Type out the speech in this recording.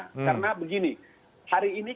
karena begini hari ini